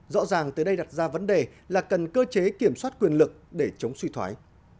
rõ ràng tới đây đặt ra vấn đề là cần cơ chế kiểm soát quyền lực để chống suy thoái